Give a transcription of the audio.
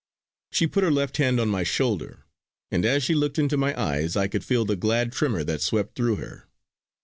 She put her left hand on my shoulder; and as she looked into my eyes I could feel the glad tremor that swept through her.